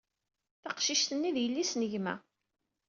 Taqcict-nni d yelli-s n gma.